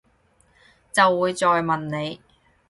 就會再問你